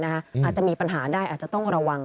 อาจจะมีปัญหาได้อาจจะต้องระวัง